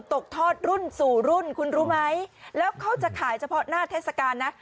ตกทอดรุ่นสู่รุ่นคุณรู้ไหมแล้วเขาจะขายเฉพาะหน้าเทศกาลนะ